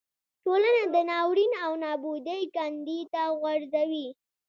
ټولنه د ناورین او نابودۍ کندې ته غورځوي.